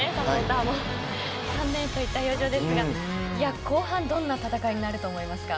残念といった表情ですが後半どんな戦いになると思いますか？